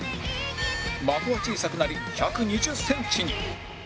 的は小さくなり１２０センチに